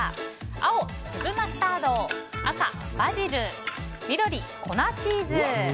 青、粒マスタード赤、バジル緑、粉チーズ。